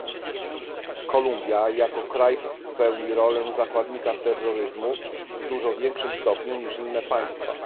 Kolumbia jako kraj pełni rolę zakładnika terroryzmu w dużo większym stopniu niż inne państwa